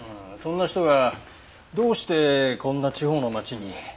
そんな人がどうしてこんな地方の町に。